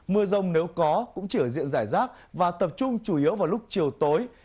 mưa rông nếu có cũng chỉ ở diện giải rác và tập trung chủ yếu vào lúc chiều tối